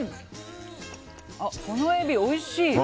このエビ、おいしい。